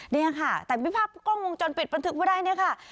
เนี่ยค่ะแต่มีภาพกล้องวงจรปิดบันทึกไว้ได้เนี่ยค่ะ